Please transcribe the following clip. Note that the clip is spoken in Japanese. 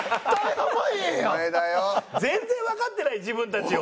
全然わかってない自分たちを。